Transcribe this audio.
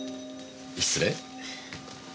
失礼。